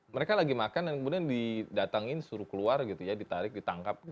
mereka sedang makan dan kemudian didatangi disuruh keluar ditarik ditangkap